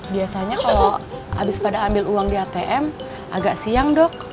biasanya kalau habis pada ambil uang di atm agak siang dok